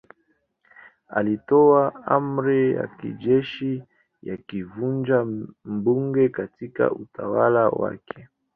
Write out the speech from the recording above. Alitoa amri ya kijeshi ya kuvunja bunge katika utawala wake.